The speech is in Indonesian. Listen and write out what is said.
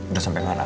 udah sampe ngadal